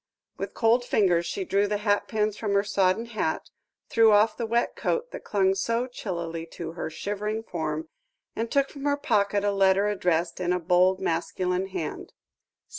With cold fingers she drew the hatpins from her sodden hat, threw off the wet coat that clung so chillily to her shivering form, and took from her pocket a letter addressed in a bold, masculine hand.